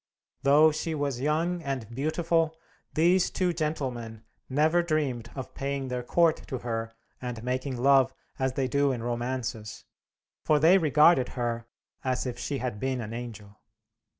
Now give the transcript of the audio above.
Though she was young and beautiful, these two gentlemen never dreamed of paying their court to her and making love, as they do in romances, for they regarded her "as if she had been an angel."